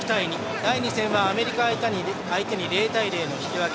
第２戦は、アメリカ相手に０対０の引き分け。